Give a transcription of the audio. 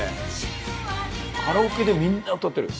カラオケでみんな歌ってる。